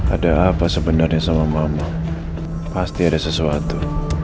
ada apa sebenarnya sama mama pasti ada sesuatu